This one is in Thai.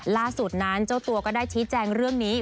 ล่าสุดนั้นเจ้าตัวก็ได้ชี้แจงเรื่องนี้